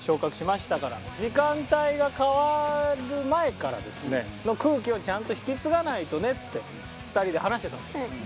時間帯が変わる前からですねの空気はちゃんと引き継がないとねって２人で話してたんですよ。